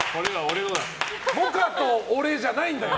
萌歌と俺じゃないんだよ。